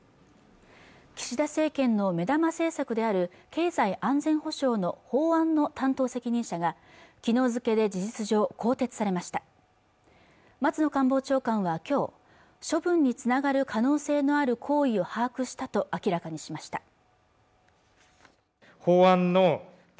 岸田政権の目玉政策である経済安全保障の法案の担当責任者が昨日付で事実上、更迭されました松野官房長官はきょう処分につながる可能性のある行為を把握したと明らかにしました